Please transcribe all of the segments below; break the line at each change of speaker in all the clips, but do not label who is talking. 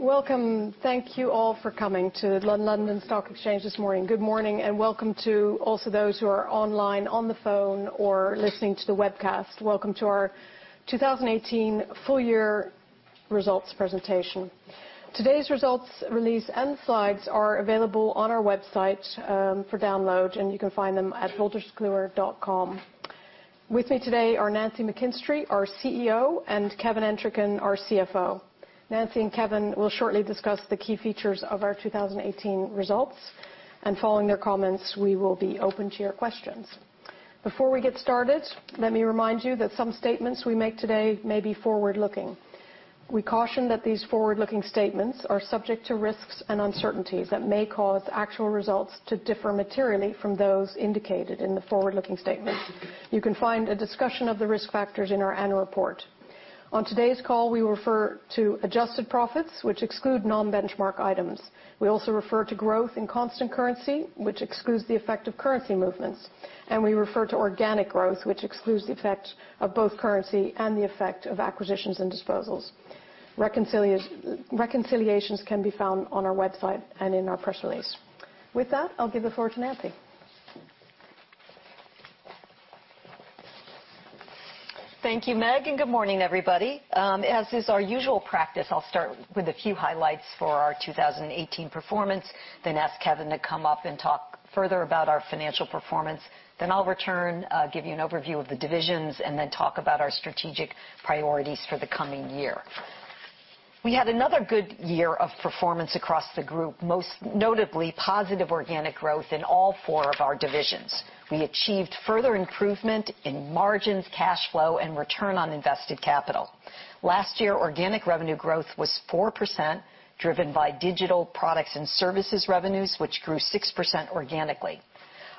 Welcome. Thank you all for coming to the London Stock Exchange this morning. Good morning, and welcome to also those who are online, on the phone or listening to the webcast. Welcome to our 2018 full year results presentation. Today's results release and slides are available on our website, for download, and you can find them at wolterskluwer.com. With me today are Nancy McKinstry, our CEO, and Kevin Entricken, our CFO. Nancy and Kevin will shortly discuss the key features of our 2018 results, and following their comments, we will be open to your questions. Before we get started, let me remind you that some statements we make today may be forward-looking. We caution that these forward-looking statements are subject to risks and uncertainties that may cause actual results to differ materially from those indicated in the forward-looking statements. You can find a discussion of the risk factors in our annual report. On today's call, we refer to adjusted profits, which exclude non-benchmark items. We also refer to growth in constant currency, which excludes the effect of currency movements, and we refer to organic growth, which excludes the effect of both currency and the effect of acquisitions and disposals. Reconciliations can be found on our website and in our press release. With that, I'll give it forward to Nancy.
Thank you, Meg, and good morning, everybody. As is our usual practice, I'll start with a few highlights for our 2018 performance. Ask Kevin to come up and talk further about our financial performance. I'll return, give you an overview of the divisions, and then talk about our strategic priorities for the coming year. We had another good year of performance across the group, most notably positive organic growth in all four of our divisions. We achieved further improvement in margins, cash flow, and return on invested capital. Last year, organic revenue growth was 4%, driven by digital products and services revenues, which grew 6% organically.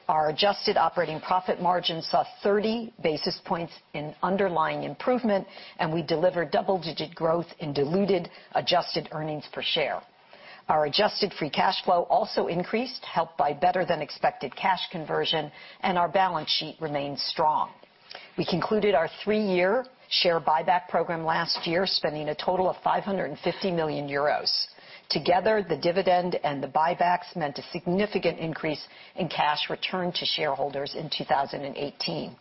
Our adjusted operating profit margin saw 30 basis points in underlying improvement, and we delivered double-digit growth in diluted adjusted earnings per share. Our adjusted free cash flow also increased, helped by better than expected cash conversion, and our balance sheet remained strong. We concluded our three-year share buyback program last year, spending a total of 550 million euros. Together, the dividend and the buybacks meant a significant increase in cash returned to shareholders in 2018.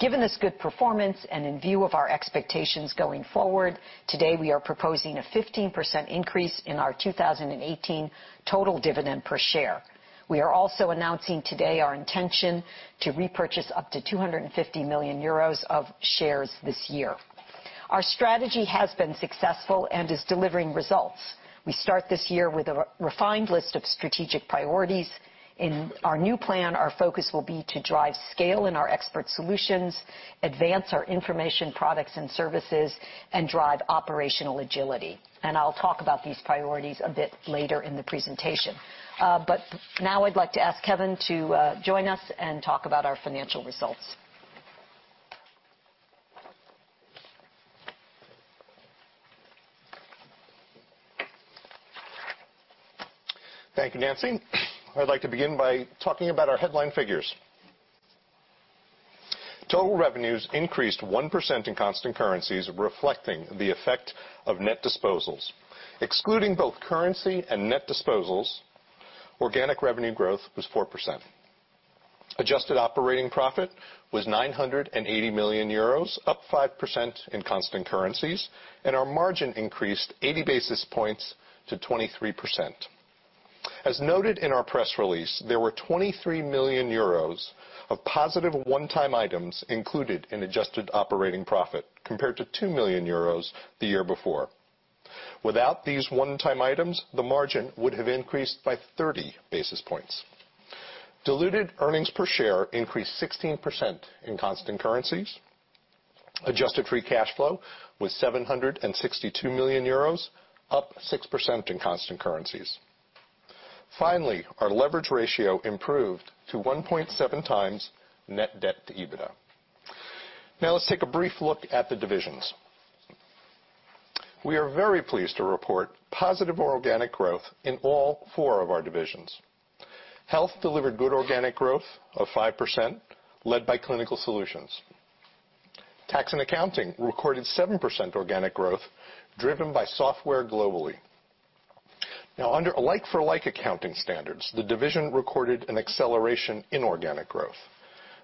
Given this good performance and in view of our expectations going forward, today, we are proposing a 15% increase in our 2018 total dividend per share. We are also announcing today our intention to repurchase up to 250 million euros of shares this year. Our strategy has been successful and is delivering results. We start this year with a refined list of strategic priorities. In our new plan, our focus will be to drive scale in our expert solutions, advance our information products and services, and drive operational agility. I'll talk about these priorities a bit later in the presentation. Now I'd like to ask Kevin to join us and talk about our financial results.
Thank you, Nancy. I'd like to begin by talking about our headline figures. Total revenues increased 1% in constant currencies, reflecting the effect of net disposals. Excluding both currency and net disposals, organic revenue growth was 4%. Adjusted operating profit was 980 million euros, up 5% in constant currencies, and our margin increased 80 basis points to 23%. As noted in our press release, there were 23 million euros of positive one-time items included in adjusted operating profit, compared to 2 million euros the year before. Without these one-time items, the margin would have increased by 30 basis points. Diluted earnings per share increased 16% in constant currencies. Adjusted free cash flow was 762 million euros, up 6% in constant currencies. Finally, our leverage ratio improved to 1.7 times net debt to EBITDA. Let's take a brief look at the divisions. We are very pleased to report positive organic growth in all 4 of our divisions. Health delivered good organic growth of 5%, led by Clinical Solutions. Tax & Accounting recorded 7% organic growth, driven by software globally. Under a like-for-like accounting standards, the division recorded an acceleration in organic growth.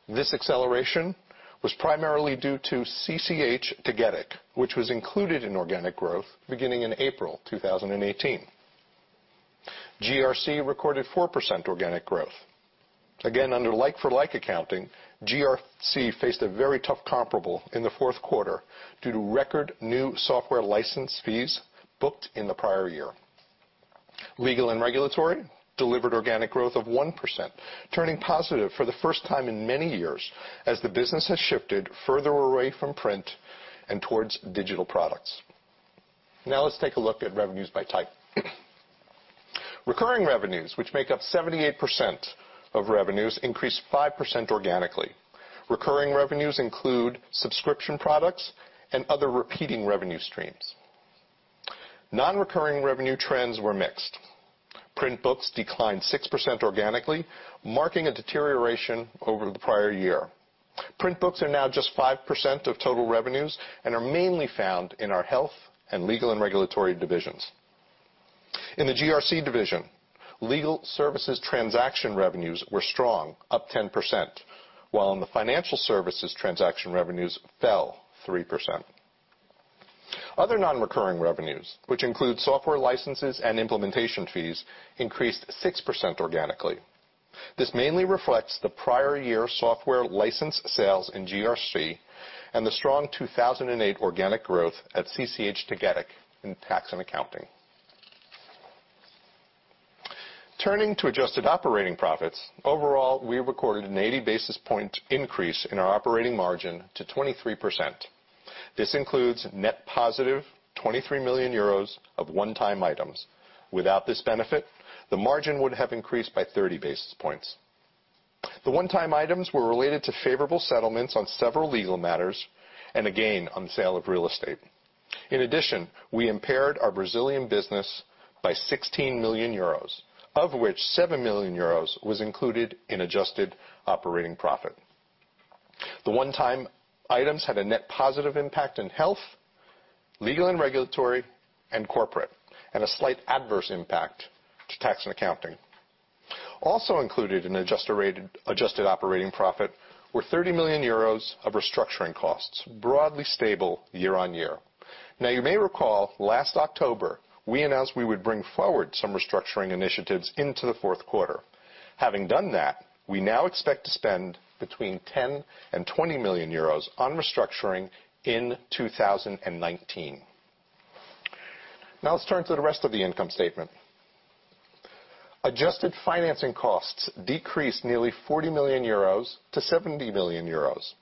This acceleration was primarily due to CCH Tagetik, which was included in organic growth beginning in April 2018. GRC recorded 4% organic growth. Under like-for-like accounting, GRC faced a very tough comparable in the fourth quarter due to record new software license fees booked in the prior year. Legal & Regulatory delivered organic growth of 1%, turning positive for the first time in many years as the business has shifted further away from print and towards digital products. Let's take a look at revenues by type. Recurring revenues, which make up 78% of revenues, increased 5% organically. Recurring revenues include subscription products and other repeating revenue streams. Non-recurring revenue trends were mixed. Print books declined 6% organically, marking a deterioration over the prior year. Print books are now just 5% of total revenues and are mainly found in our Health and Legal & Regulatory divisions. In the GRC division, legal services transaction revenues were strong, up 10%, while in the financial services, transaction revenues fell 3%. Other non-recurring revenues, which include software licenses and implementation fees, increased 6% organically. This mainly reflects the prior year software license sales in GRC and the strong 2018 organic growth at CCH Tagetik in Tax & Accounting. Turning to adjusted operating profits. Overall, we recorded an 80 basis point increase in our operating margin to 23%. This includes net positive 23 million euros of one-time items. Without this benefit, the margin would have increased by 30 basis points. The one-time items were related to favorable settlements on several legal matters and a gain on the sale of real estate. In addition, we impaired our Brazilian business by 16 million euros, of which 7 million euros was included in adjusted operating profit. The one-time items had a net positive impact in Health, Legal & Regulatory, and Corporate, and a slight adverse impact to Tax & Accounting. Also included in adjusted operating profit were 30 million euros of restructuring costs, broadly stable year-over-year. You may recall last October, we announced we would bring forward some restructuring initiatives into the fourth quarter. Having done that, we now expect to spend between 10 million and 20 million euros on restructuring in 2019. Let's turn to the rest of the income statement. Adjusted financing costs decreased nearly 40 million euros to 70 million euros.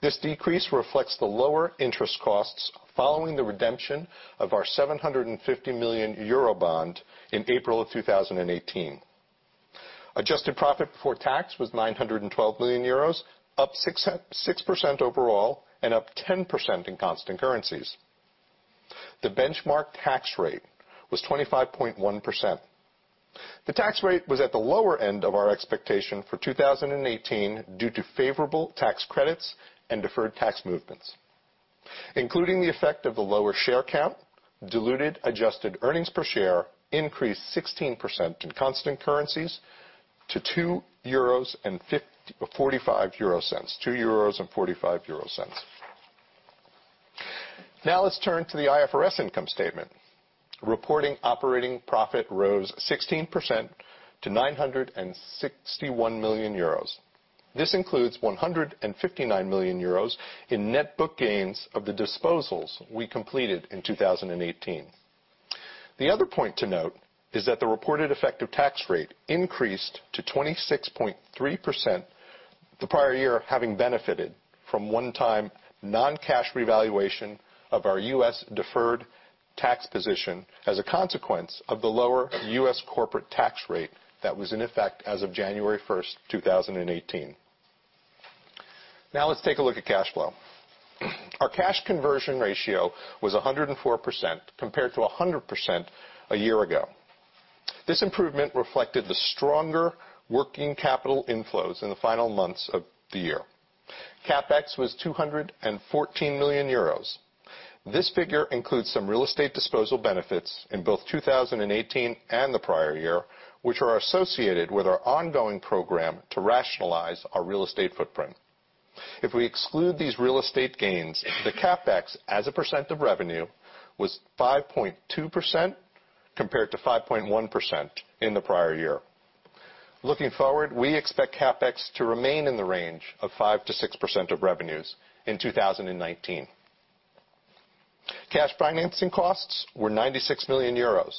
This decrease reflects the lower interest costs following the redemption of our 750 million euro bond in April 2018. Adjusted profit before tax was 912 million euros, up 6% overall and up 10% in constant currencies. The benchmark tax rate was 25.1%. The tax rate was at the lower end of our expectation for 2018 due to favorable tax credits and deferred tax movements. Including the effect of the lower share count, diluted adjusted earnings per share increased 16% in constant currencies to 2.45 euros. Let's turn to the IFRS income statement. Reporting operating profit rose 16% to 961 million euros. This includes 159 million euros in net book gains of the disposals we completed in 2018. The other point to note is that the reported effective tax rate increased to 26.3%, the prior year having benefited from one-time non-cash revaluation of our U.S. deferred tax position as a consequence of the lower U.S. corporate tax rate that was in effect as of January 1, 2018. Let's take a look at cash flow. Our cash conversion ratio was 104% compared to 100% a year ago. This improvement reflected the stronger working capital inflows in the final months of the year. CapEx was 214 million euros. This figure includes some real estate disposal benefits in both 2018 and the prior year, which are associated with our ongoing program to rationalize our real estate footprint. If we exclude these real estate gains, the CapEx as a percent of revenue was 5.2% compared to 5.1% in the prior year. Looking forward, we expect CapEx to remain in the range of 5%-6% of revenues in 2019. Cash financing costs were 96 million euros.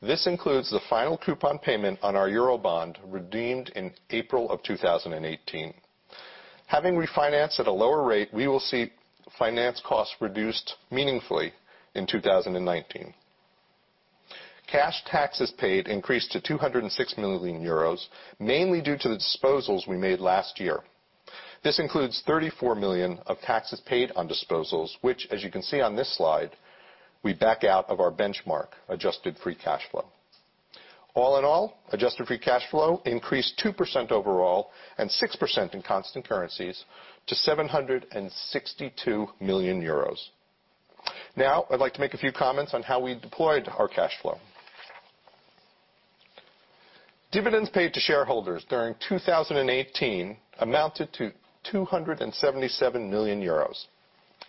This includes the final coupon payment on our EUR bond redeemed in April 2018. Having refinanced at a lower rate, we will see finance costs reduced meaningfully in 2019. Cash taxes paid increased to 206 million euros, mainly due to the disposals we made last year. This includes 34 million of taxes paid on disposals, which as you can see on this slide, we back out of our benchmark adjusted free cash flow. All in all, adjusted free cash flow increased 2% overall and 6% in constant currencies to 762 million euros. I'd like to make a few comments on how we deployed our cash flow. Dividends paid to shareholders during 2018 amounted to 277 million euros.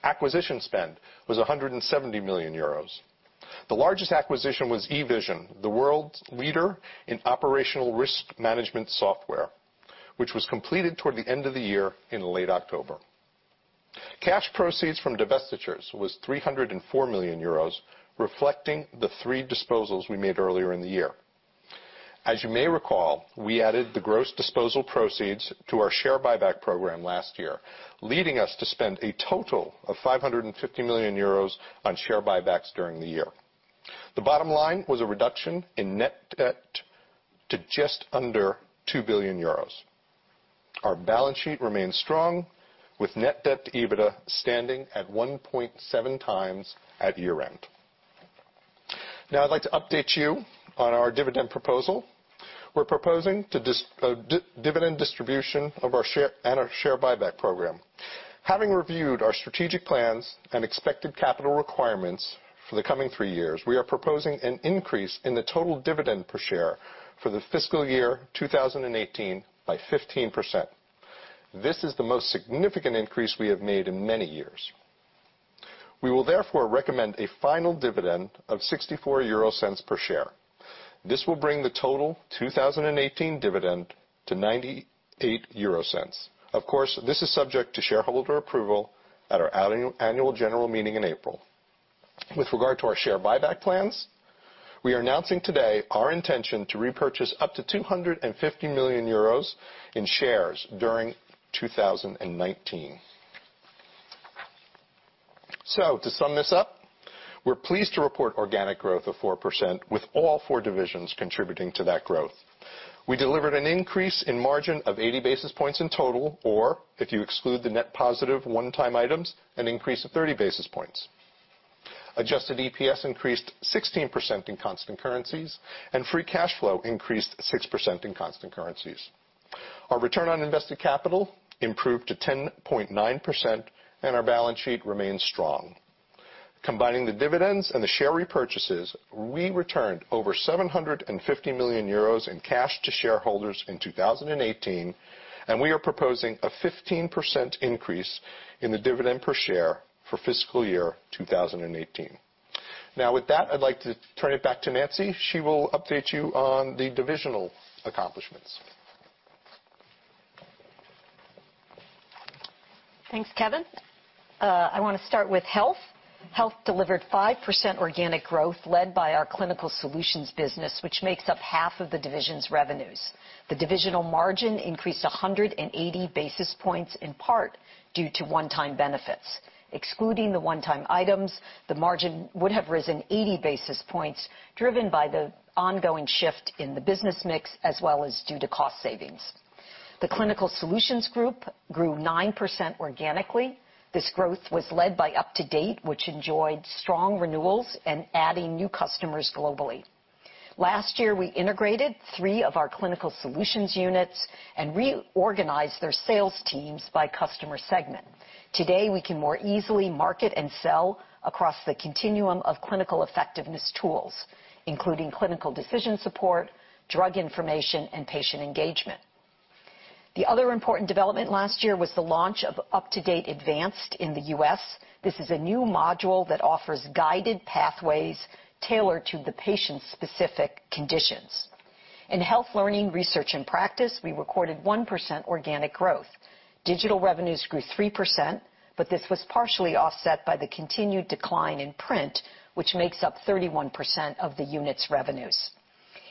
Acquisition spend was 170 million euros. The largest acquisition was eVision, the world's leader in operational risk management software, which was completed toward the end of the year in late October. Cash proceeds from divestitures was 304 million euros, reflecting the three disposals we made earlier in the year. As you may recall, we added the gross disposal proceeds to our share buyback program last year, leading us to spend a total of 550 million euros on share buybacks during the year. The bottom line was a reduction in net debt to just under 2 billion euros. Our balance sheet remains strong, with net debt EBITDA standing at 1.7 times at year-end. Now I'd like to update you on our dividend proposal. We're proposing a dividend distribution and our share buyback program. Having reviewed our strategic plans and expected capital requirements for the coming three years, we are proposing an increase in the total dividend per share for the fiscal year 2018 by 15%. This is the most significant increase we have made in many years. We will therefore recommend a final dividend of 0.64 per share. This will bring the total 2018 dividend to 0.98. Of course, this is subject to shareholder approval at our annual general meeting in April. With regard to our share buyback plans, we are announcing today our intention to repurchase up to 250 million euros in shares during 2019. To sum this up, we're pleased to report organic growth of 4%, with all four divisions contributing to that growth. We delivered an increase in margin of 80 basis points in total, or if you exclude the net positive one-time items, an increase of 30 basis points. Adjusted EPS increased 16% in constant currencies, and free cash flow increased 6% in constant currencies. Our return on invested capital improved to 10.9%, and our balance sheet remains strong. Combining the dividends and the share repurchases, we returned over 750 million euros in cash to shareholders in 2018, and we are proposing a 15% increase in the dividend per share for fiscal year 2018. Now, with that, I'd like to turn it back to Nancy. She will update you on the divisional accomplishments.
Thanks, Kevin. I want to start with Health. Health delivered 5% organic growth led by our Clinical Solutions business, which makes up half of the division's revenues. The divisional margin increased 180 basis points, in part due to one-time benefits. Excluding the one-time items, the margin would have risen 80 basis points, driven by the ongoing shift in the business mix as well as due to cost savings. The Clinical Solutions group grew 9% organically. This growth was led by UpToDate, which enjoyed strong renewals and adding new customers globally. Last year, we integrated three of our Clinical Solutions units and reorganized their sales teams by customer segment. Today, we can more easily market and sell across the continuum of clinical effectiveness tools, including clinical decision support, drug information, and patient engagement. The other important development last year was the launch of UpToDate Advanced in the U.S. This is a new module that offers guided pathways tailored to the patient's specific conditions. In health learning, research, and practice, we recorded 1% organic growth. Digital revenues grew 3%, but this was partially offset by the continued decline in print, which makes up 31% of the unit's revenues.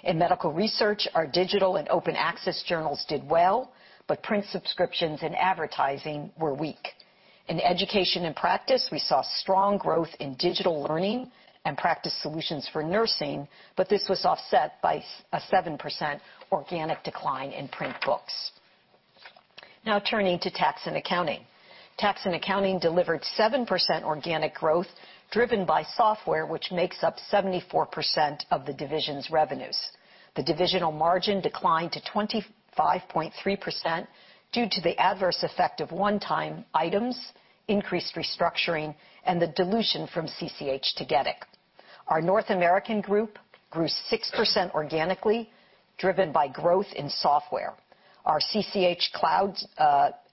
In medical research, our digital and open access journals did well, but print subscriptions and advertising were weak. In education and practice, we saw strong growth in digital learning and practice solutions for nursing, but this was offset by a 7% organic decline in print books. Turning to Tax & Accounting. Tax & Accounting delivered 7% organic growth driven by software, which makes up 74% of the division's revenues. The divisional margin declined to 25.3% due to the adverse effect of one-time items, increased restructuring, and the dilution from CCH Tagetik. Our North American group grew 6% organically, driven by growth in software. Our CCH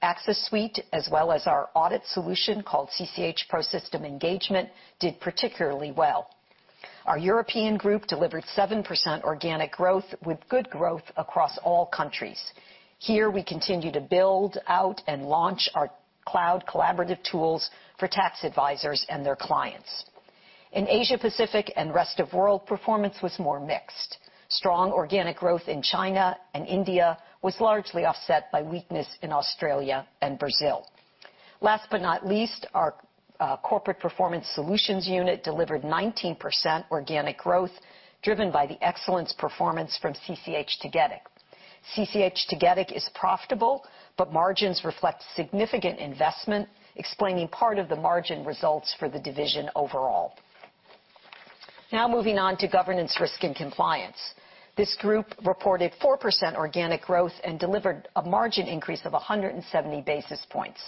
Axcess suite, as well as our audit solution called CCH ProSystem Engagement, did particularly well. Our European group delivered 7% organic growth with good growth across all countries. Here, we continue to build out and launch our cloud collaborative tools for tax advisors and their clients. In Asia-Pacific and rest of world, performance was more mixed. Strong organic growth in China and India was largely offset by weakness in Australia and Brazil. Last but not least, our Corporate Performance Solutions unit delivered 19% organic growth, driven by the excellence performance from CCH Tagetik. CCH Tagetik is profitable, but margins reflect significant investment, explaining part of the margin results for the division overall. Moving on to Governance, Risk & Compliance. This group reported 4% organic growth and delivered a margin increase of 170 basis points.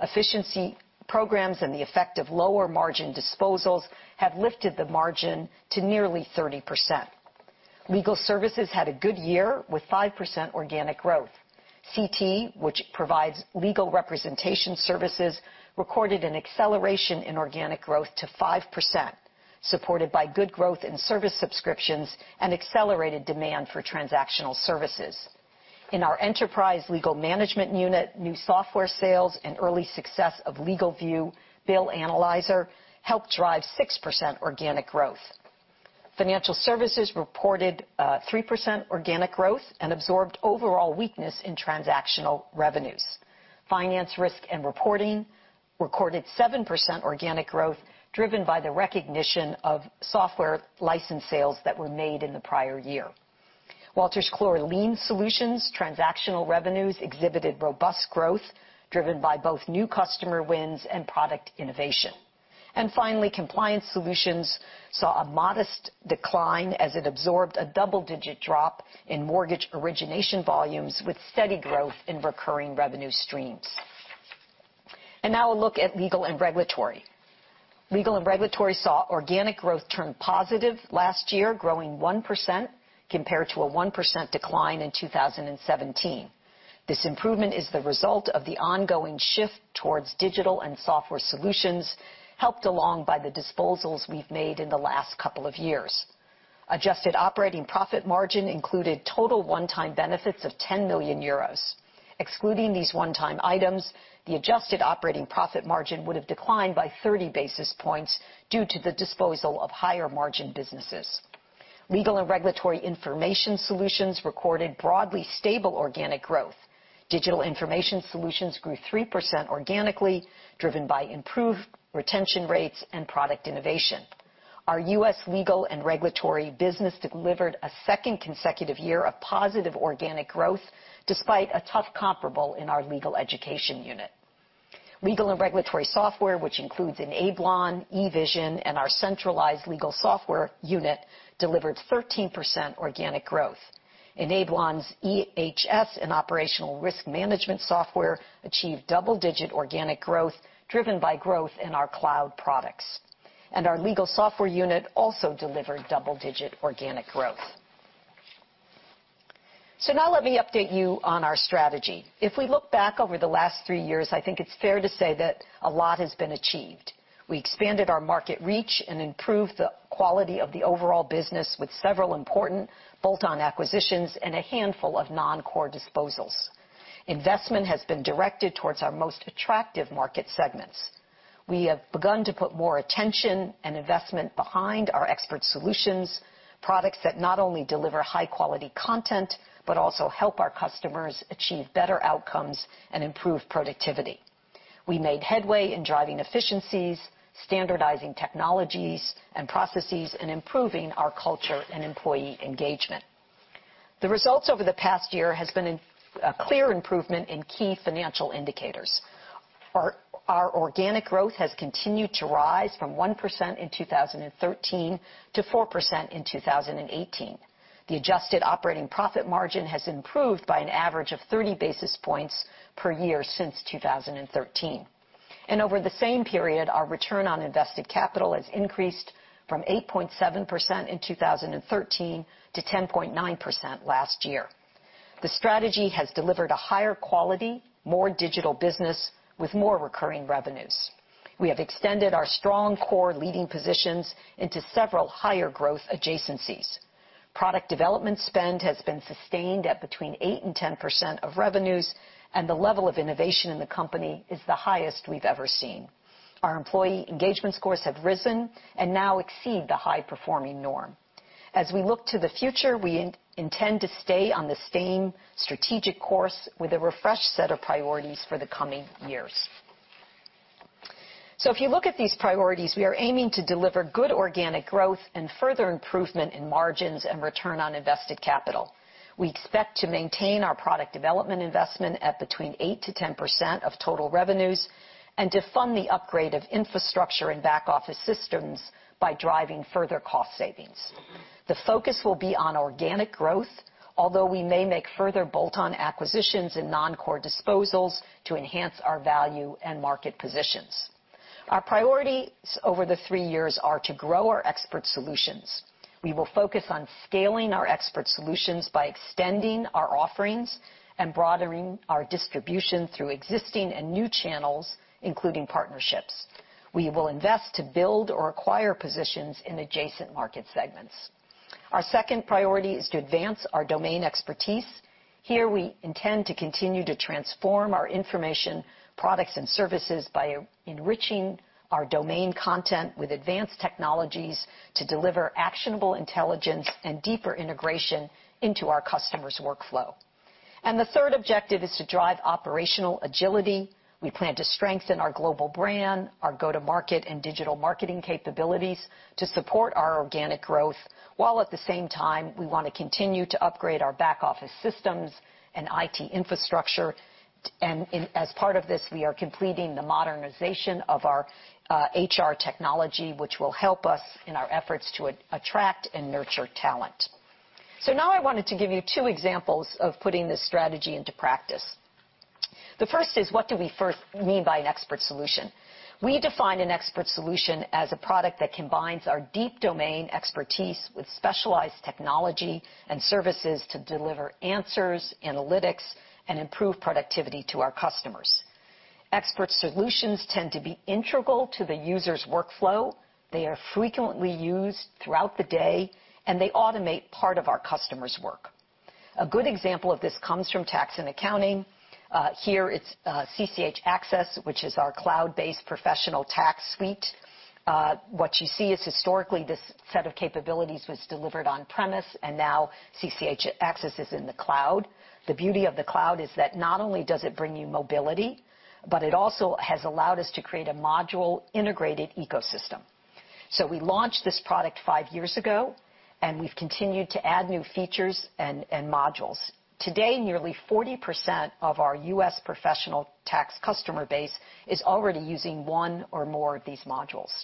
Efficiency programs and the effect of lower margin disposals have lifted the margin to nearly 30%. Legal services had a good year with 5% organic growth. CT, which provides legal representation services, recorded an acceleration in organic growth to 5%, supported by good growth in service subscriptions and accelerated demand for transactional services. In our enterprise legal management unit, new software sales and early success of LegalVIEW BillAnalyzer helped drive 6% organic growth. Financial services reported 3% organic growth and absorbed overall weakness in transactional revenues. Finance, Risk & Reporting recorded 7% organic growth, driven by the recognition of software license sales that were made in the prior year. Wolters Kluwer Lien Solutions transactional revenues exhibited robust growth, driven by both new customer wins and product innovation. Finally, Compliance Solutions saw a modest decline as it absorbed a double-digit drop in mortgage origination volumes with steady growth in recurring revenue streams. A look at Legal & Regulatory. Legal & Regulatory saw organic growth turn positive last year, growing 1% compared to a 1% decline in 2017. This improvement is the result of the ongoing shift towards digital and software solutions, helped along by the disposals we've made in the last couple of years. Adjusted operating profit margin included total one-time benefits of 10 million euros. Excluding these one-time items, the adjusted operating profit margin would've declined by 30 basis points due to the disposal of higher margin businesses. Legal & Regulatory information solutions recorded broadly stable organic growth. Digital information solutions grew 3% organically, driven by improved retention rates and product innovation. Our U.S. Legal & Regulatory business delivered a second consecutive year of positive organic growth, despite a tough comparable in our legal education unit. Legal & Regulatory software, which includes Enablon, eVision, and our centralized legal software unit, delivered 13% organic growth. Enablon's EHS and operational risk management software achieved double-digit organic growth, driven by growth in our cloud products. Our legal software unit also delivered double-digit organic growth. Now let me update you on our strategy. If we look back over the last three years, I think it's fair to say that a lot has been achieved. We expanded our market reach and improved the quality of the overall business with several important bolt-on acquisitions and a handful of non-core disposals. Investment has been directed towards our most attractive market segments. We have begun to put more attention and investment behind our expert solutions, products that not only deliver high-quality content, but also help our customers achieve better outcomes and improve productivity. We made headway in driving efficiencies, standardizing technologies and processes, and improving our culture and employee engagement. The results over the past year has been a clear improvement in key financial indicators. Our organic growth has continued to rise from 1% in 2013 to 4% in 2018. The adjusted operating profit margin has improved by an average of 30 basis points per year since 2013. Over the same period, our return on invested capital has increased from 8.7% in 2013 to 10.9% last year. The strategy has delivered a higher quality, more digital business with more recurring revenues. We have extended our strong core leading positions into several higher growth adjacencies. Product development spend has been sustained at between 8% and 10% of revenues, and the level of innovation in the company is the highest we've ever seen. Our employee engagement scores have risen and now exceed the high-performing norm. As we look to the future, we intend to stay on the same strategic course with a refreshed set of priorities for the coming years. If you look at these priorities, we are aiming to deliver good organic growth and further improvement in margins and return on invested capital. We expect to maintain our product development investment at between 8% to 10% of total revenues and to fund the upgrade of infrastructure and back office systems by driving further cost savings. The focus will be on organic growth, although we may make further bolt-on acquisitions and non-core disposals to enhance our value and market positions. Our priorities over the three years are to grow our expert solutions. We will focus on scaling our expert solutions by extending our offerings and broadening our distribution through existing and new channels, including partnerships. We will invest to build or acquire positions in adjacent market segments. Our second priority is to advance our domain expertise. Here, we intend to continue to transform our information, products, and services by enriching our domain content with advanced technologies to deliver actionable intelligence and deeper integration into our customers' workflow. The third objective is to drive operational agility. We plan to strengthen our global brand, our go-to-market, and digital marketing capabilities to support our organic growth, while at the same time, we want to continue to upgrade our back office systems and IT infrastructure. As part of this, we are completing the modernization of our HR technology, which will help us in our efforts to attract and nurture talent. Now I wanted to give you two examples of putting this strategy into practice. The first is, what do we mean by an expert solution? We define an expert solution as a product that combines our deep domain expertise with specialized technology and services to deliver answers, analytics, and improve productivity to our customers. Expert solutions tend to be integral to the user's workflow. They are frequently used throughout the day, and they automate part of our customer's work. A good example of this comes from tax and accounting. Here, it's CCH Axcess, which is our cloud-based professional tax suite. What you see is historically this set of capabilities was delivered on-premise, now CCH Axcess is in the cloud. The beauty of the cloud is that not only does it bring you mobility, but it also has allowed us to create a module integrated ecosystem. We launched this product five years ago, and we've continued to add new features and modules. Today, nearly 40% of our U.S. professional tax customer base is already using one or more of these modules.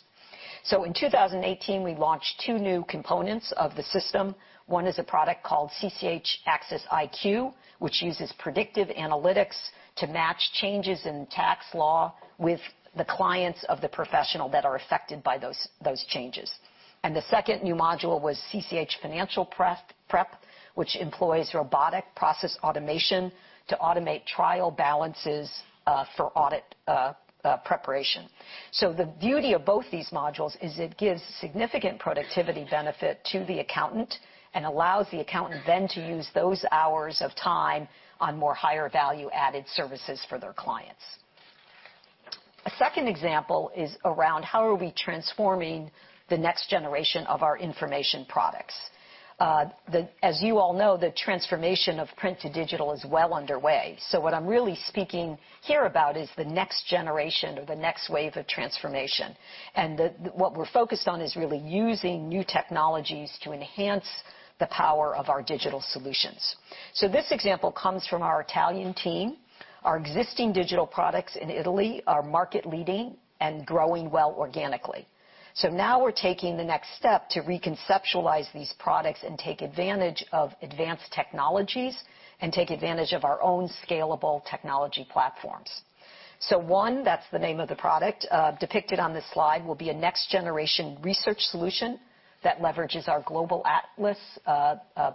In 2018, we launched two new components of the system. One is a product called CCH Axcess IQ, which uses predictive analytics to match changes in tax law with the clients of the professional that are affected by those changes. The second new module was CCH Axcess Financial Prep, which employs robotic process automation to automate trial balances for audit preparation. The beauty of both these modules is it gives significant productivity benefit to the accountant and allows the accountant then to use those hours of time on more higher value-added services for their clients. A second example is around how are we transforming the next generation of our information products. As you all know, the transformation of print to digital is well underway. What I'm really speaking here about is the next generation or the next wave of transformation. What we're focused on is really using new technologies to enhance the power of our digital solutions. This example comes from our Italian team. Our existing digital products in Italy are market leading and growing well organically. Now we're taking the next step to reconceptualize these products and take advantage of advanced technologies and take advantage of our own scalable technology platforms. ONE, that's the name of the product depicted on this slide, will be a next generation research solution that leverages our global Atlas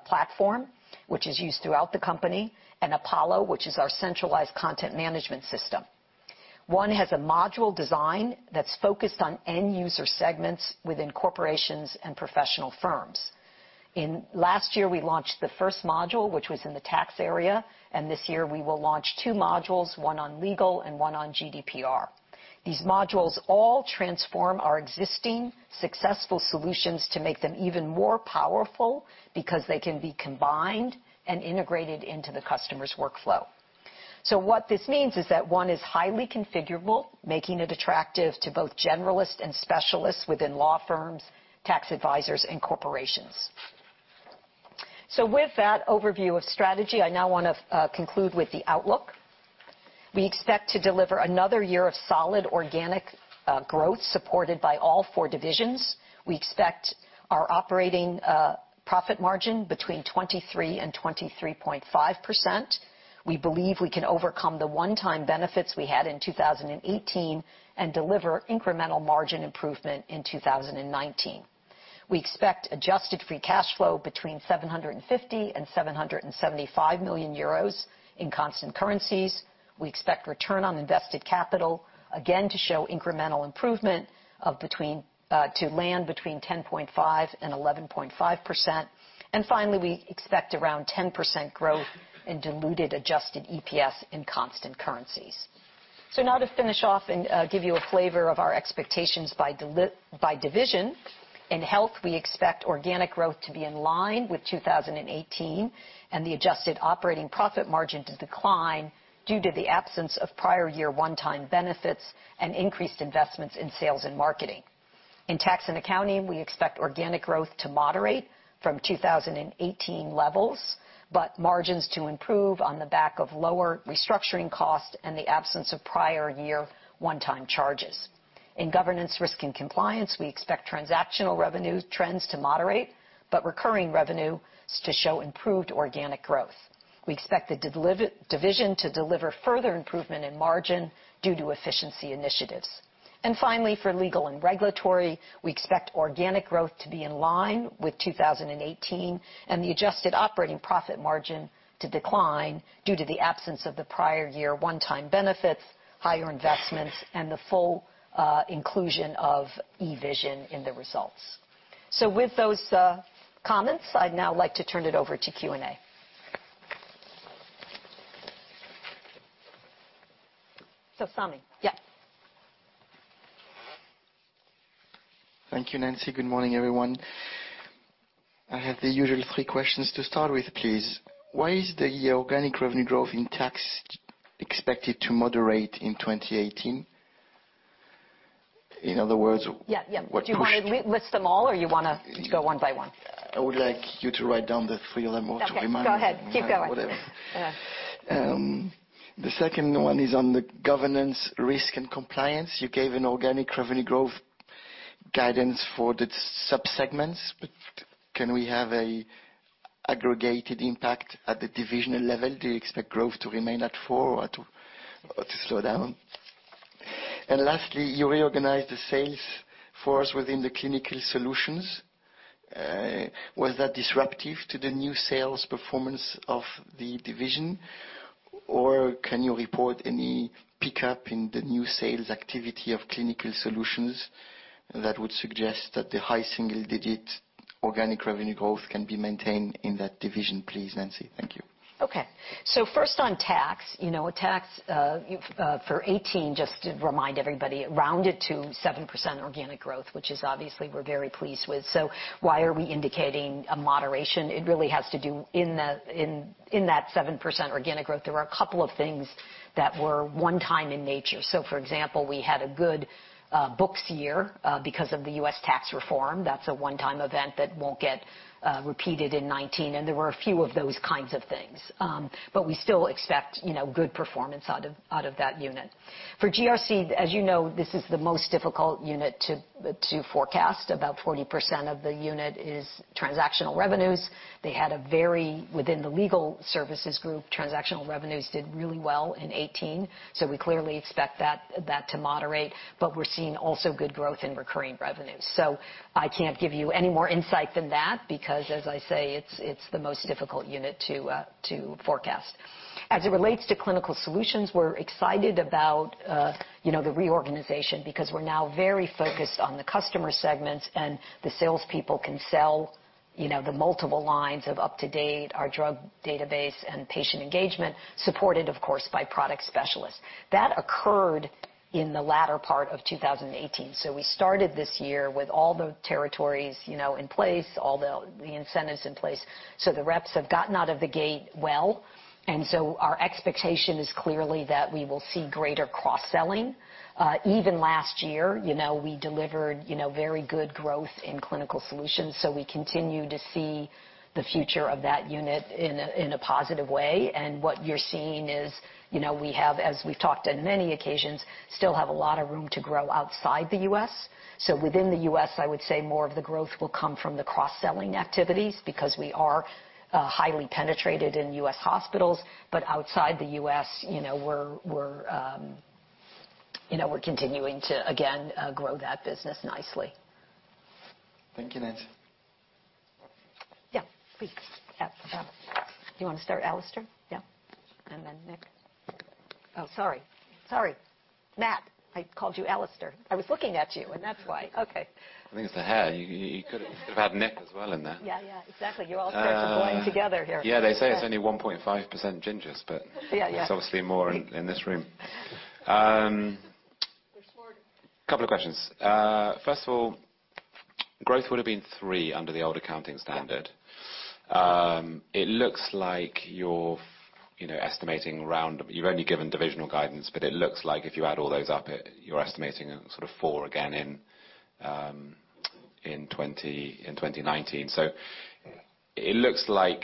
platform, which is used throughout the company, and Apollo, which is our centralized content management system. ONE has a module design that's focused on end-user segments within corporations and professional firms. In last year, we launched the first module, which was in the tax area, and this year we will launch two modules, one on legal and one on GDPR. These modules all transform our existing successful solutions to make them even more powerful because they can be combined and integrated into the customer's workflow. What this means is that ONE is highly configurable, making it attractive to both generalists and specialists within law firms, tax advisors, and corporations. With that overview of strategy, I now want to conclude with the outlook. We expect to deliver another year of solid organic growth supported by all four divisions. We expect our operating profit margin between 23%-23.5%. We believe we can overcome the one-time benefits we had in 2018 and deliver incremental margin improvement in 2019. We expect adjusted free cash flow between 750 million-775 million euros in constant currencies. We expect return on invested capital, again, to show incremental improvement to land between 10.5%-11.5%. Finally, we expect around 10% growth in diluted adjusted EPS in constant currencies. Now to finish off and give you a flavor of our expectations by division. In Health, we expect organic growth to be in line with 2018 and the adjusted operating profit margin to decline due to the absence of prior year one-time benefits and increased investments in sales and marketing. In Tax & Accounting, we expect organic growth to moderate from 2018 levels, but margins to improve on the back of lower restructuring costs and the absence of prior year one-time charges. In Governance, Risk, and Compliance, we expect transactional revenue trends to moderate, but recurring revenues to show improved organic growth. We expect the division to deliver further improvement in margin due to efficiency initiatives. Finally, for Legal & Regulatory, we expect organic growth to be in line with 2018 and the adjusted operating profit margin to decline due to the absence of the prior year one-time benefits, higher investments, and the full inclusion of eVision in the results. With those comments, I'd now like to turn it over to Q&A. Sami, yeah.
Thank you, Nancy. Good morning, everyone. I have the usual three questions to start with, please. Why is the organic revenue growth in tax expected to moderate in 2018? In other words-
Yeah.
What pushed-
Do you want me to list them all or you want to go one by one?
I would like you to write down the three of them or to remind me.
Okay. Go ahead. Keep going.
Whatever.
Yeah.
The second one is on the governance risk and compliance. You gave an organic revenue growth guidance for the sub-segments, can we have an aggregated impact at the divisional level? Do you expect growth to remain at four or to slow down? Lastly, you reorganized the sales force within the Clinical Solutions. Was that disruptive to the new sales performance of the division, or can you report any pickup in the new sales activity of Clinical Solutions that would suggest that the high single-digit organic revenue growth can be maintained in that division, please, Nancy? Thank you.
Okay. First on tax. Tax for 2018, just to remind everybody, rounded to 7% organic growth, which obviously we are very pleased with. Why are we indicating a moderation? It really has to do, in that 7% organic growth, there were a couple of things that were one-time in nature. For example, we had a good books year because of the U.S. tax reform. That's a one-time event that will not get repeated in 2019, and there were a few of those kinds of things. We still expect good performance out of that unit. For GRC, as you know, this is the most difficult unit to forecast. About 40% of the unit is transactional revenues. Within the legal services group, transactional revenues did really well in 2018, so we clearly expect that to moderate. We are seeing also good growth in recurring revenues. I cannot give you any more insight than that, because as I say, it is the most difficult unit to forecast. As it relates to Clinical Solutions, we are excited about the reorganization because we are now very focused on the customer segments, and the salespeople can sell the multiple lines of UpToDate, our drug database, and patient engagement, supported of course, by product specialists. That occurred in the latter part of 2018. We started this year with all the territories in place, all the incentives in place. The reps have gotten out of the gate well, and our expectation is clearly that we will see greater cross-selling. Even last year, we delivered very good growth in Clinical Solutions. We continue to see the future of that unit in a positive way. What you are seeing is, as we have talked on many occasions, still have a lot of room to grow outside the U.S. Within the U.S., I would say more of the growth will come from the cross-selling activities, because we are highly penetrated in U.S. hospitals. Outside the U.S., we are continuing to, again, grow that business nicely.
Thank you, Nancy.
Yeah, please. You want to start, Alistair? Yeah. Then Nick. Oh, sorry. Matt. I called you Alistair. I was looking at you and that's why. Okay.
I think it's the hair. You could've had Nick as well in there.
Yeah. Exactly. You sort of blend together here.
Yeah, they say it's only 1.5% gingers.
Yeah
there's obviously more in this room.
There's more.
A couple of questions. First of all, growth would've been three under the old accounting standard.
Yeah.
You've only given divisional guidance, it looks like if you add all those up, you're estimating sort of four again in 2019. It looks like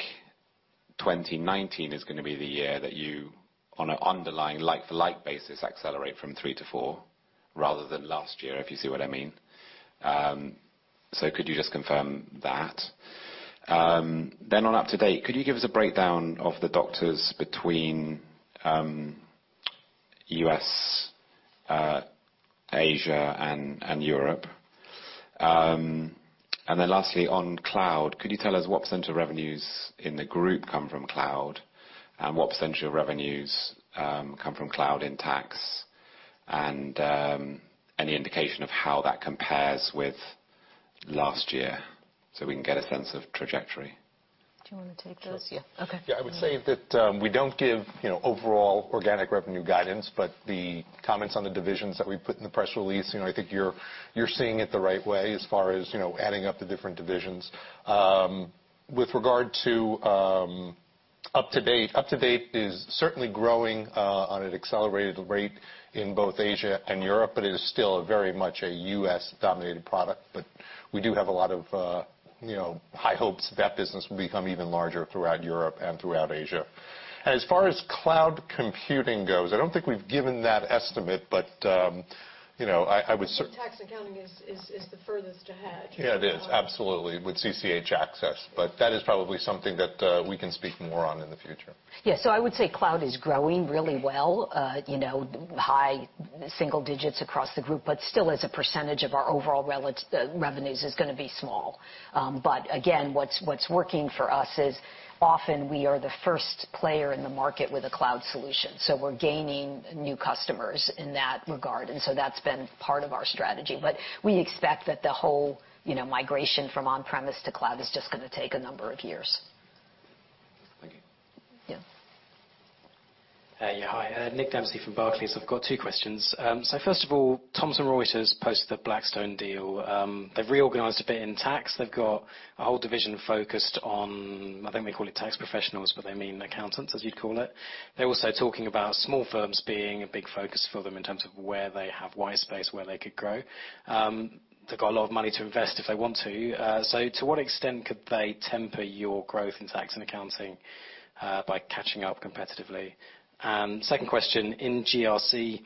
2019 is going to be the year that you, on an underlying like-to-like basis, accelerate from three to four rather than last year, if you see what I mean. Could you just confirm that? On UpToDate, could you give us a breakdown of the doctors between U.S., Asia, and Europe? Lastly, on cloud, could you tell us what % of revenues in the group come from cloud, and what % of your revenues come from cloud in tax? Any indication of how that compares with last year so we can get a sense of trajectory?
Do you want to take those?
Sure.
Yeah. Okay.
I would say that we don't give overall organic revenue guidance, but the comments on the divisions that we put in the press release, I think you're seeing it the right way as far as adding up the different divisions. With regard to UpToDate is certainly growing on an accelerated rate in both Asia and Europe, but it is still very much a U.S.-dominated product. We do have a lot of high hopes that business will become even larger throughout Europe and throughout Asia. As far as cloud computing goes, I don't think we've given that estimate.
Tax & Accounting is the furthest ahead.
It is. Absolutely. With CCH Axcess. That is probably something that we can speak more on in the future.
I would say cloud is growing really well, high single digits across the group, still as a percentage of our overall revenues is going to be small. Again, what's working for us is often we are the first player in the market with a cloud solution. We're gaining new customers in that regard, that's been part of our strategy. We expect that the whole migration from on-premise to cloud is just going to take a number of years.
Thank you.
Yeah.
Hi. Nick Dempsey from Barclays. I've got two questions. First of all, Thomson Reuters posted the Blackstone deal. They've reorganized a bit in tax. They've got a whole division focused on, I think they call it tax professionals, but they mean accountants, as you'd call it. They're also talking about small firms being a big focus for them in terms of where they have white space, where they could grow. They've got a lot of money to invest if they want to. To what extent could they temper your growth in tax and accounting by catching up competitively? Second question, in GRC,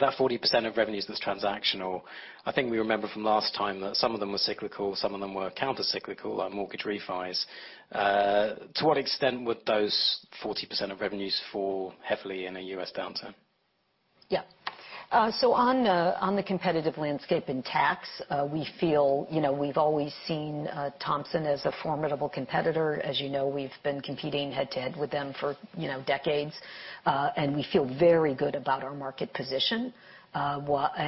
that 40% of revenues that's transactional, I think we remember from last time that some of them were cyclical, some of them were countercyclical, like mortgage refis. To what extent would those 40% of revenues fall heavily in a U.S. downturn?
On the competitive landscape in tax, we feel we've always seen Thomson as a formidable competitor. As you know, we've been competing head-to-head with them for decades. We feel very good about our market position. What's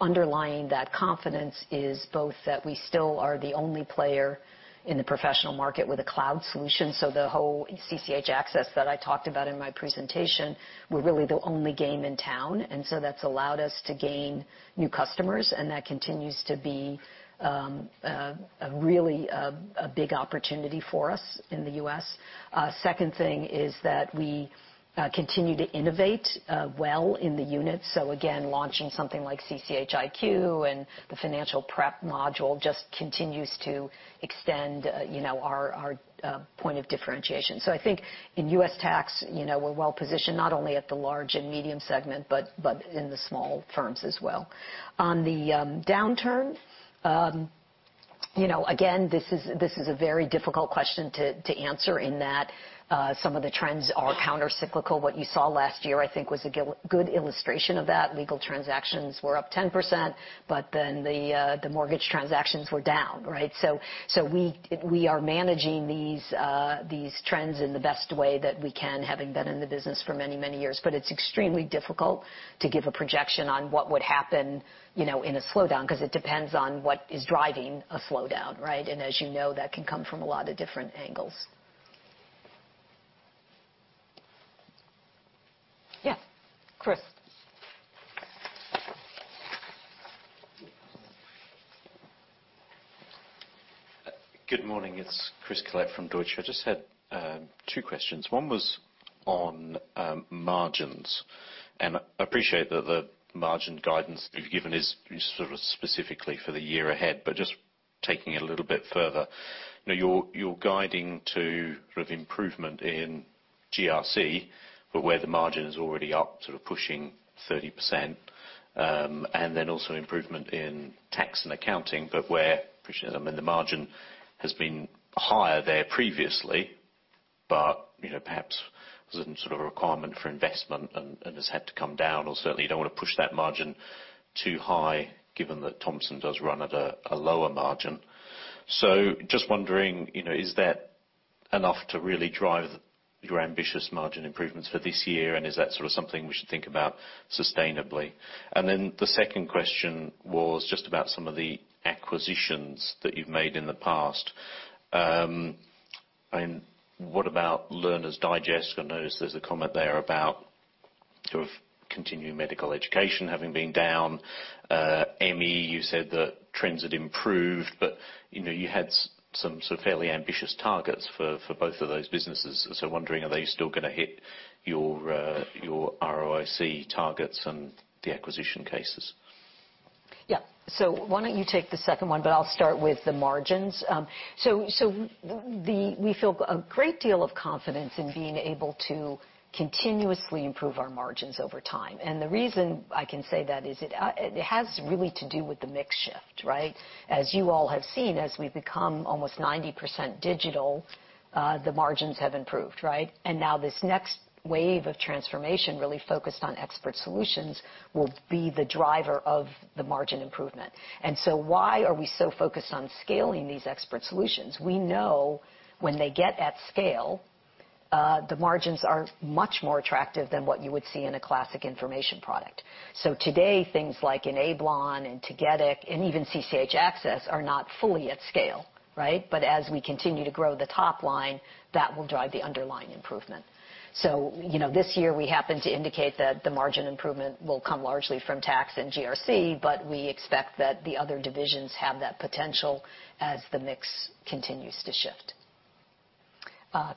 underlying that confidence is both that we still are the only player in the professional market with a cloud solution. The whole CCH Axcess that I talked about in my presentation, we're really the only game in town. That's allowed us to gain new customers, and that continues to be really a big opportunity for us in the U.S. The second thing is that we continue to innovate well in the unit. Again, launching something like CCH IQ and the Financial Prep module just continues to extend our point of differentiation. I think in U.S. tax, we're well-positioned not only at the large and medium segment, but in the small firms as well. On the downturn, again, this is a very difficult question to answer in that some of the trends are counter-cyclical. What you saw last year, I think, was a good illustration of that. Legal transactions were up 10%, the mortgage transactions were down. Right? We are managing these trends in the best way that we can, having been in the business for many, many years. It's extremely difficult to give a projection on what would happen in a slowdown, because it depends on what is driving a slowdown, right? As you know, that can come from a lot of different angles. Yes, Chris.
Good morning. It's Chris Collett from Deutsche. I just had 2 questions. One was on margins, I appreciate that the margin guidance that you've given is sort of specifically for the year ahead, just taking it a little bit further. You're guiding to sort of improvement in GRC, where the margin is already up, sort of pushing 30%, also improvement in Tax & Accounting, where, appreciate the margin has been higher there previously, perhaps there's a sort of a requirement for investment and has had to come down, or certainly you don't want to push that margin too high given that Thomson does run at a lower margin. Just wondering, is that enough to really drive your ambitious margin improvements for this year, and is that sort of something we should think about sustainably? The second question was just about some of the acquisitions that you've made in the past. What about Learners' Digest? I noticed there's a comment there about sort of continuing medical education having been down. CME, you said that trends had improved, you had some fairly ambitious targets for both of those businesses. Wondering, are they still going to hit your ROIC targets and the acquisition cases?
Why don't you take the second one, but I'll start with the margins. We feel a great deal of confidence in being able to continuously improve our margins over time. The reason I can say that is it has really to do with the mix shift, right? As you all have seen, as we've become almost 90% digital, the margins have improved, right? Now this next wave of transformation really focused on expert solutions will be the driver of the margin improvement. Why are we so focused on scaling these expert solutions? We know when they get at scale, the margins are much more attractive than what you would see in a classic information product. Today, things like Enablon and Tagetik and even CCH Axcess are not fully at scale, right? As we continue to grow the top line, that will drive the underlying improvement. This year we happen to indicate that the margin improvement will come largely from tax and GRC, but we expect that the other divisions have that potential as the mix continues to shift.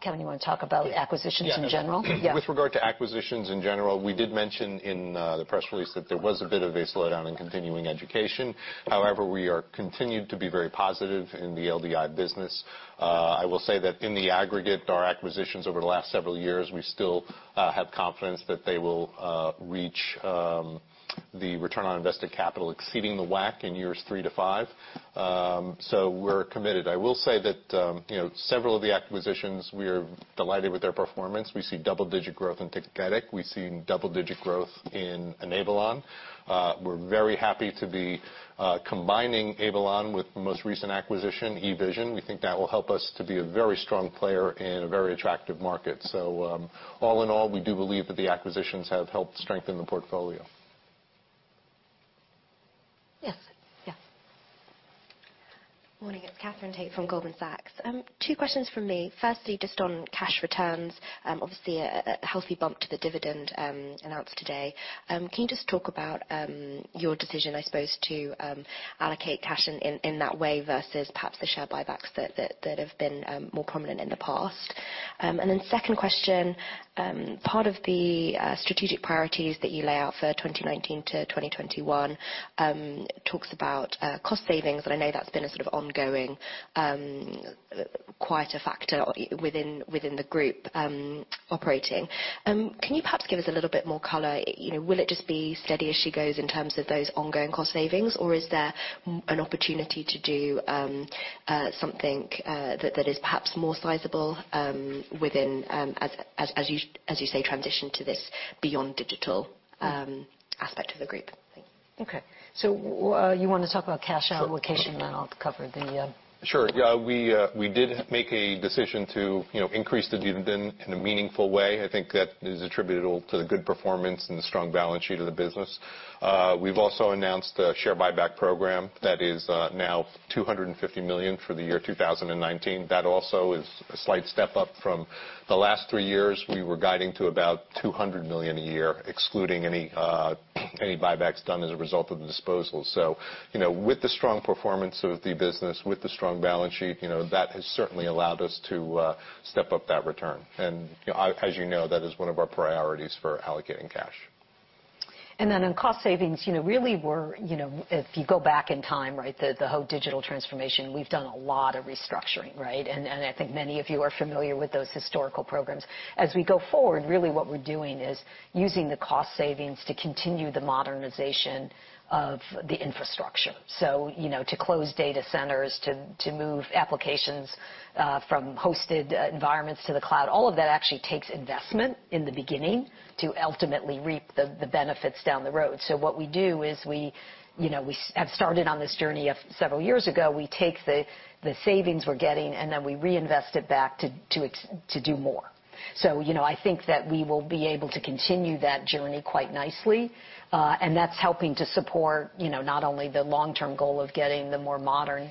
Kevin, you want to talk about the acquisitions in general?
Yeah.
Yeah.
With regard to acquisitions in general, we did mention in the press release that there was a bit of a slowdown in continuing education. However, we are continued to be very positive in the LDI business. I will say that in the aggregate, our acquisitions over the last several years, we still have confidence that they will reach the return on invested capital exceeding the WACC in years three to five. We're committed. I will say that several of the acquisitions, we are delighted with their performance. We see double-digit growth in Tagetik. We see double-digit growth in Enablon. We're very happy to be combining Enablon with the most recent acquisition, eVision. We think that will help us to be a very strong player in a very attractive market. All in all, we do believe that the acquisitions have helped strengthen the portfolio.
Yes.
Morning. It's Katherine Tait from Goldman Sachs. Two questions from me. Firstly, just on cash returns, obviously a healthy bump to the dividend announced today. Can you just talk about your decision, I suppose, to allocate cash in that way versus perhaps the share buybacks that have been more prominent in the past? Second question, part of the strategic priorities that you lay out for 2019 to 2021 talks about cost savings. I know that's been a sort of ongoing, quite a factor within the group operating. Can you perhaps give us a little bit more color? Will it just be steady as she goes in terms of those ongoing cost savings? Is there an opportunity to do something that is perhaps more sizable within, as you say, transition to this beyond digital aspect of the group?
Okay. You want to talk about cash allocation?
Sure.
I'll cover.
Sure. We did make a decision to increase the dividend in a meaningful way. I think that is attributable to the good performance and the strong balance sheet of the business. We've also announced a share buyback program that is now 250 million for the year 2019. That also is a slight step up from the last three years. We were guiding to about 200 million a year, excluding any buybacks done as a result of the disposal. With the strong performance of the business, with the strong balance sheet, that has certainly allowed us to step up that return. As you know, that is one of our priorities for allocating cash.
On cost savings, really, if you go back in time, right, the whole digital transformation, we've done a lot of restructuring, right? I think many of you are familiar with those historical programs. As we go forward, really what we're doing is using the cost savings to continue the modernization of the infrastructure. To close data centers, to move applications from hosted environments to the cloud. All of that actually takes investment in the beginning to ultimately reap the benefits down the road. What we do is we have started on this journey of several years ago, we take the savings we're getting, and then we reinvest it back to do more. I think that we will be able to continue that journey quite nicely. That's helping to support not only the long-term goal of getting the more modern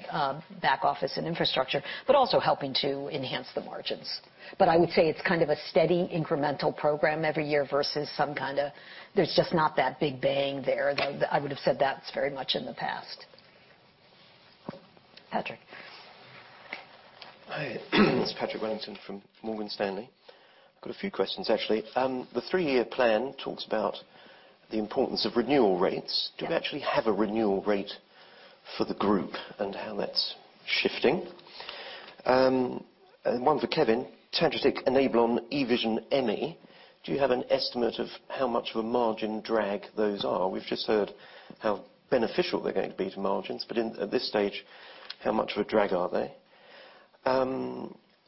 back office and infrastructure, also helping to enhance the margins. I would say it's kind of a steady incremental program every year versus some kind of, there's just not that big bang there, though I would've said that's very much in the past. Patrick.
Hi. It's Patrick Wellington from Morgan Stanley. Got a few questions, actually. The three-year plan talks about the importance of renewal rates.
Yeah.
Do we actually have a renewal rate for the group and how that's shifting? One for Kevin. Tagetik, Enablon, eVision, Emmi, do you have an estimate of how much of a margin drag those are? We've just heard how beneficial they're going to be to margins. At this stage, how much of a drag are they?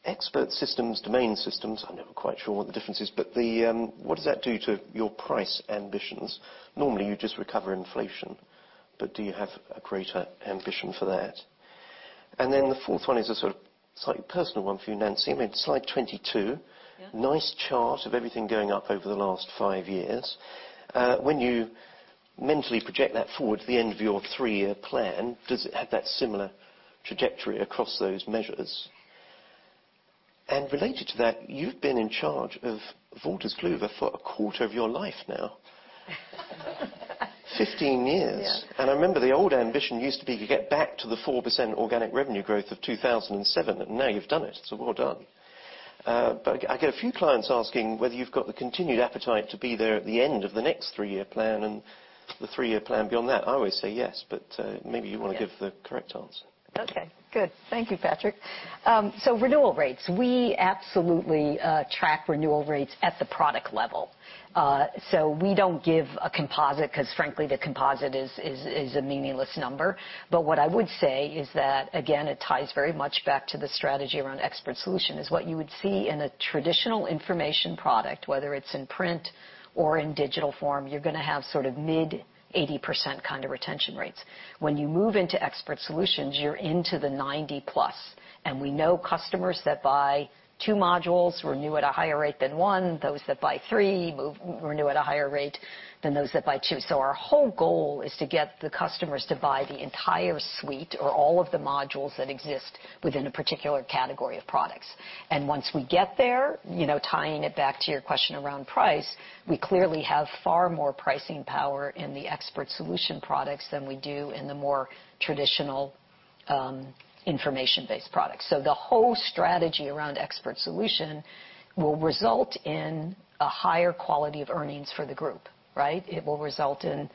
Expert systems, domain systems, I'm never quite sure what the difference is, but what does that do to your price ambitions? Normally you just recover inflation, but do you have a greater ambition for that? Then the fourth one is a sort of slightly personal one for you, Nancy. I mean, slide 22.
Yeah.
Nice chart of everything going up over the last five years. When you mentally project that forward to the end of your three-year plan, does it have that similar trajectory across those measures? Related to that, you've been in charge of Wolters Kluwer for a quarter of your life now. 15 years.
Yeah.
I remember the old ambition used to be to get back to the 4% organic revenue growth of 2007. Now you've done it. Well done. I get a few clients asking whether you've got the continued appetite to be there at the end of the next three-year plan and the three-year plan beyond that. I always say yes, but maybe you want to give the correct answer.
Good. Thank you, Patrick. Renewal rates. We absolutely track renewal rates at the product level. We don't give a composite, because frankly, the composite is a meaningless number. What I would say is that, again, it ties very much back to the strategy around expert solution, is what you would see in a traditional information product, whether it's in print or in digital form, you're going to have sort of mid 80% kind of retention rates. When you move into expert solutions, you're into the 90+, and we know customers that buy two modules renew at a higher rate than one. Those that buy three renew at a higher rate than those that buy two. Our whole goal is to get the customers to buy the entire suite or all of the modules that exist within a particular category of products. Once we get there, tying it back to your question around price, we clearly have far more pricing power in the expert solution products than we do in the more traditional information-based products. The whole strategy around expert solution will result in a higher quality of earnings for the group, right? It will result in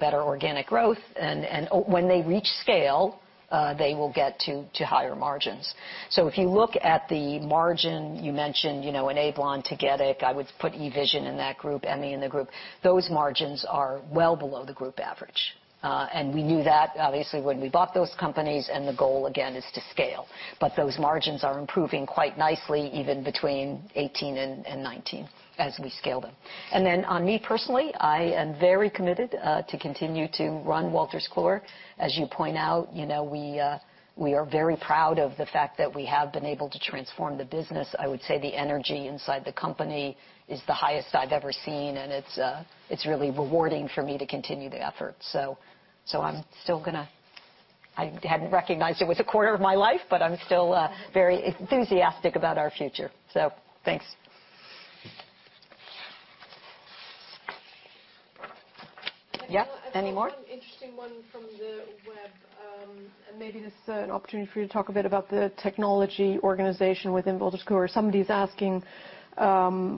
better organic growth, and when they reach scale, they will get to higher margins. If you look at the margin you mentioned, Enablon, Tagetik, I would put eVision in that group, Emmi in the group. Those margins are well below the group average. We knew that obviously when we bought those companies, and the goal again is to scale. Those margins are improving quite nicely, even between 2018 and 2019 as we scale them. On me personally, I am very committed to continue to run Wolters Kluwer. As you point out, we are very proud of the fact that we have been able to transform the business. I would say the energy inside the company is the highest I've ever seen, and it's really rewarding for me to continue the effort. I'm still going to I hadn't recognized it was a quarter of my life, but I'm still very enthusiastic about our future. Thanks. Yeah. Any more?
I have one interesting one from the web. Maybe this is an opportunity for you to talk a bit about the technology organization within Wolters Kluwer. Somebody's asking,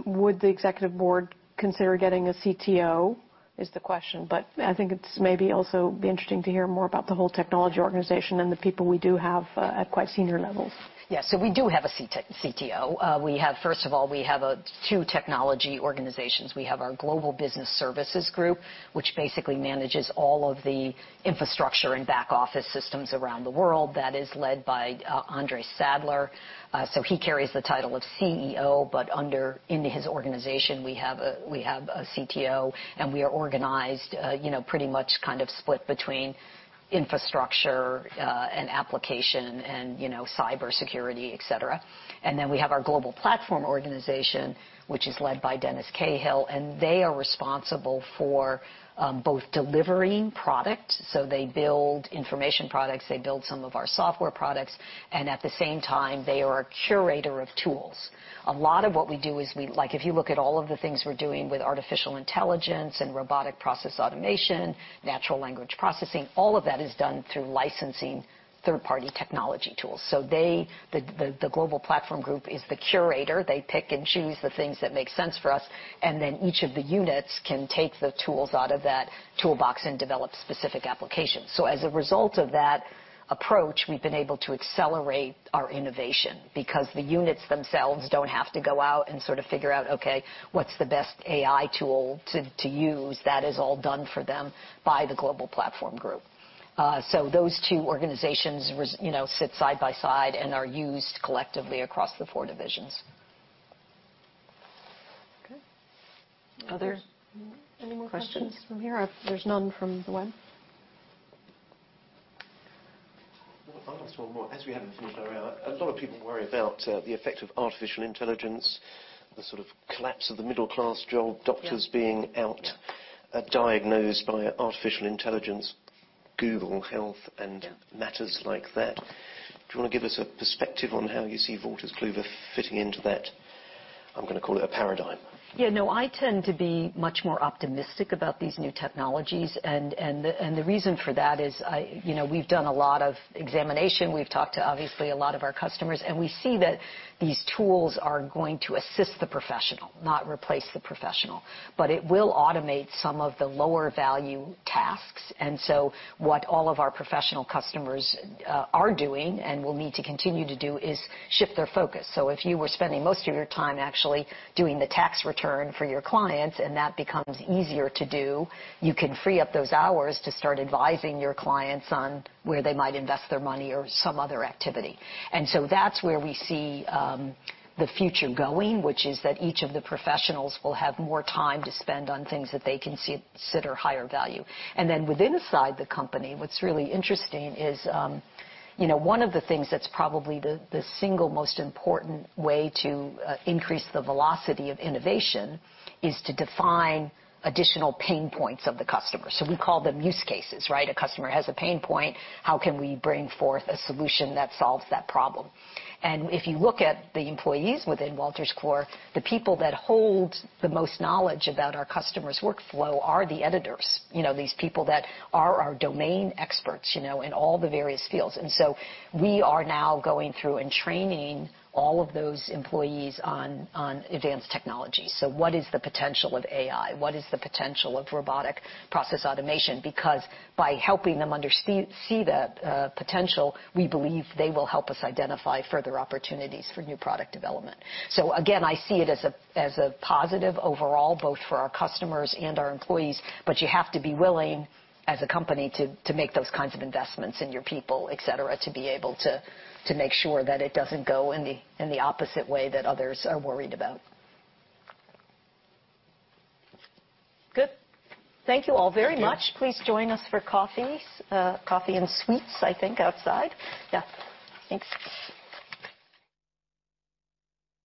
"Would the executive board consider getting a CTO?" is the question, I think it's maybe also be interesting to hear more about the whole technology organization and the people we do have at quite senior levels.
Yeah. We do have a CTO. First of all, we have two technology organizations. We have our Global Business Services group, which basically manages all of the infrastructure and back-office systems around the world. That is led by Andres Sadler. He carries the title of CEO, into his organization, we have a CTO, and we are organized, pretty much kind of split between infrastructure and application and cybersecurity, et cetera. We have our Global Platform Organization, which is led by Dennis Cahill, and they are responsible for both delivering product, they build information products, they build some of our software products, and at the same time, they are a curator of tools. A lot of what we do is If you look at all of the things we're doing with artificial intelligence and robotic process automation, natural language processing, all of that is done through licensing third-party technology tools. The Global Platform Organization is the curator. They pick and choose the things that make sense for us, and then each of the units can take the tools out of that toolbox and develop specific applications. As a result of that approach, we've been able to accelerate our innovation because the units themselves don't have to go out and sort of figure out, "Okay, what's the best AI tool to use?" That is all done for them by the Global Platform Organization. Those two organizations sit side by side and are used collectively across the four divisions.
Okay.
Other-
Any more questions from here? There's none from the web.
I'll ask one more, as we haven't finished our hour. A lot of people worry about the effect of artificial intelligence, the sort of collapse of the middle-class job.
Yeah.
Doctors being out, diagnosed by artificial intelligence, Google Health.
Yeah
Matters like that. Do you want to give us a perspective on how you see Wolters Kluwer fitting into that, I'm going to call it a paradigm?
Yeah, no. I tend to be much more optimistic about these new technologies. The reason for that is we've done a lot of examination. We've talked to, obviously, a lot of our customers, and we see that these tools are going to assist the professional, not replace the professional. It will automate some of the lower-value tasks. What all of our professional customers are doing and will need to continue to do is shift their focus. If you were spending most of your time actually doing the tax return for your clients and that becomes easier to do, you can free up those hours to start advising your clients on where they might invest their money or some other activity. That's where we see the future going, which is that each of the professionals will have more time to spend on things that they consider higher value. Inside the company, what's really interesting is, one of the things that's probably the single most important way to increase the velocity of innovation is to define additional pain points of the customer. We call them use cases, right? A customer has a pain point. How can we bring forth a solution that solves that problem? If you look at the employees within Wolters Kluwer, the people that hold the most knowledge about our customers' workflow are the editors. These people that are our domain experts in all the various fields. We are now going through and training all of those employees on advanced technology. What is the potential of AI? What is the potential of robotic process automation? By helping them see the potential, we believe they will help us identify further opportunities for new product development. Again, I see it as a positive overall, both for our customers and our employees, you have to be willing, as a company, to make those kinds of investments in your people, et cetera, to be able to make sure that it doesn't go in the opposite way that others are worried about. Good. Thank you all very much.
Thank you.
Please join us for coffee and sweets, I think outside. Thanks.